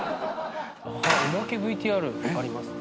おまけＶＴＲあります。